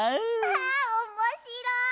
あおもしろい！